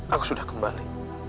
aku sudah kembali